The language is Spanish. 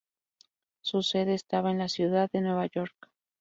Su sede estaba en la ciudad de Nueva York.